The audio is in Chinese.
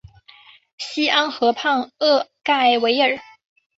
西安河畔厄盖维尔。